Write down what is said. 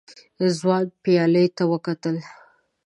ځوان پيالې ته وکتل.